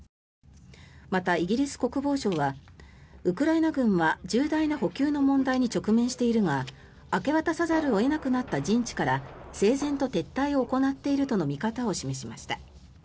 また、イギリス国防省はウクライナ軍は重大な補給の問題に直面しているが明け渡さざるを得なくなった陣地から整然と撤退を行っているとの見方を示しました。